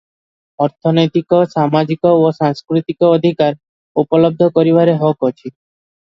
ଅର୍ଥନୈତିକ, ସାମାଜିକ ଓ ସାଂସ୍କୃତିକ ଅଧିକାର ଉପଲବ୍ଧ କରିବାର ହକ ଅଛି ।